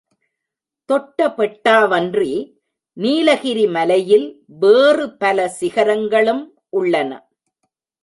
தொட்டபெட்டாவன்றி நீலகிரி மலையில் வேறு பல சிகரங்களும் உள்ளன.